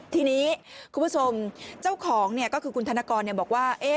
ทีนี้คุณผู้ชมเจ้าของก็คือคุณธนกรบอกว่า